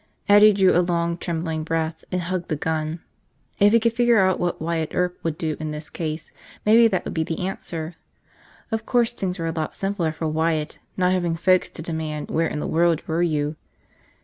Eddie drew a long, trembling breath and hugged the gun. If he could figure out what Wyatt Earp would do in this case, maybe that would be the answer. Of course things were a lot simpler for Wyatt, not having folks to demand where in the world were you.